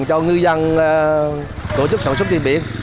cho ngư dân tổ chức sản xuất trên biển